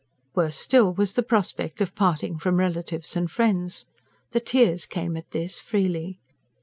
Worse still was the prospect of parting from relatives and friends. The tears came at this, freely.